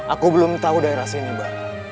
aku belum tahu daerah sini mbak